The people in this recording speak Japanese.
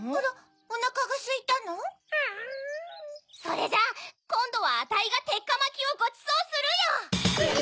それじゃこんどはあたいがてっかまきをごちそうするよ！え？